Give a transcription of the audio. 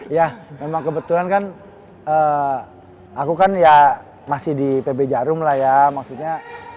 ya memang kebetulan kan aku kan ya masih di pb jarum lah ya maksudnya